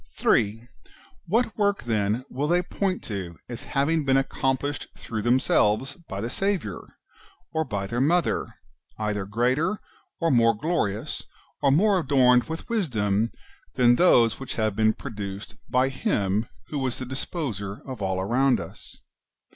3. What work, then, will they point to as having been accomplished through themselves by the Saviour, or by their Mother, either greater, or more glorious, or more adorned with wisdom, than those which have been produced by Him who was the disposer of all around us